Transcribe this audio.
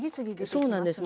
そうなんです。